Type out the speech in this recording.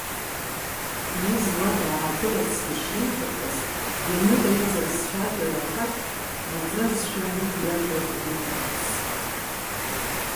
Ныз уа даагыларцгьы шиҭахыз ианыҟаиҵа дцәажәан аҭак, маӡазшәа Ныгә иажәа уинахыс.